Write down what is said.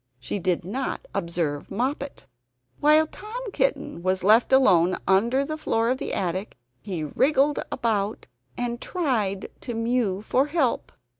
She did not observe Moppet. While Tom Kitten was left alone under the floor of the attic, he wriggled about and tried to mew for help.